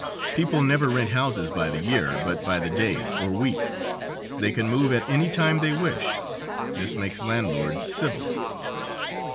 People never rent houses by the year, but by the day or week; they can move at any time they wish; this makes landlords civil.